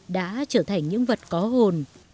đã trở thành những vật có hồn